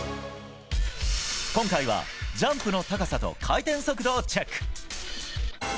今回はジャンプの高さと回転速度をチェック。